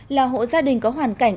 là hộ gia đình có hoàn cảnh